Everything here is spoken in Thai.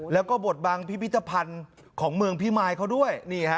แล้วก็บทบังพิพิธภัณฑ์ของเมืองพี่มายเขาด้วย